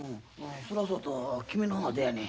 それはそうと君の方はどやねん。